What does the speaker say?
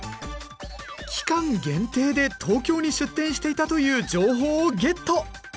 期間限定で東京に出店していたという情報をゲット！